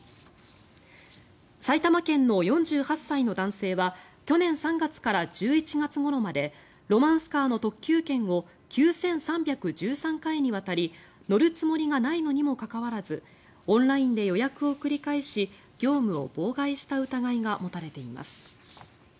埼玉県の４８歳の男性は去年３月から１１月ごろまでロマンスカーの特急券を９３１３回にわたり乗るつもりがないのにもかかわらずオンラインで予約を繰り返し業務を妨害した疑いが持たれています。